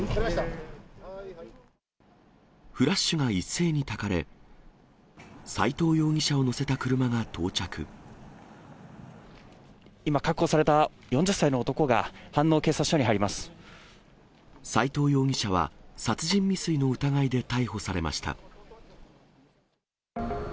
フラッシュが一斉にたかれ、斎藤容疑者は、殺人未遂の疑いで逮捕されました。